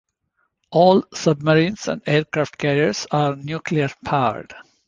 All submarines and aircraft carriers are nuclear-powered.